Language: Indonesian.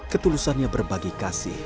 ketulusannya berbagi kasih